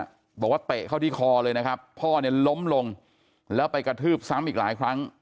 บอกว่าเตะเข้าที่คอเลยนะครับพ่อเนี่ยล้มลงแล้วไปกระทืบซ้ำอีกหลายครั้ง